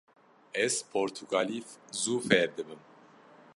Ez portugalî zû fêr dibim.